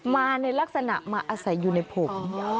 มาในลักษณะมาอาศัยอยู่ในผม